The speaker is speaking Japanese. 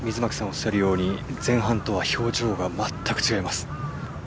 おっしゃるように前半とは表情が全く違います。